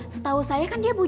setahu saya kan dia